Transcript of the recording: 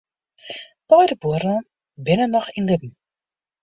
Beide bruorren binne noch yn libben.